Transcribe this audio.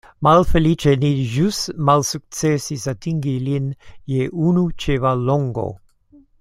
Malfeliĉe ni ĵus malsukcesis atingi lin je unu ĉevallongo.